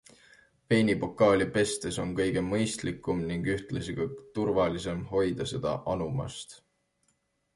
Veinipokaali pestes on kõige mõistlikum ning ühtlasi ka turvalisem hoida seda anumast.